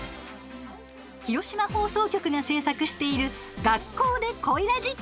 広島放送局が制作している「学校ｄｅコイらじ」。